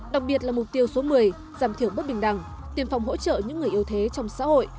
đặc biệt là mục tiêu số một mươi giảm thiểu bất bình đẳng tiêm phòng hỗ trợ những người yêu thế trong xã hội